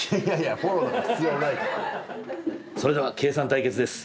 それでは計算対決です。